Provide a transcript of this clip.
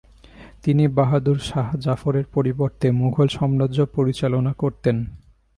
তিনি বাহাদুর শাহ জাফরের পরিবর্তে মুঘল সাম্রাজ্য পরিচালনা করতেন।